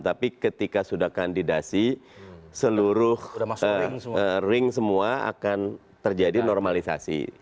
tapi ketika sudah kandidasi seluruh ring semua akan terjadi normalisasi